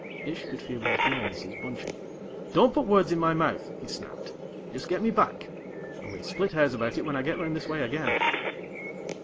Ish could feel his jaw muscles bunching. "Don't put words in my mouth!" he snapped. "Just get me back, and we'll split hairs about it when I get around this way again."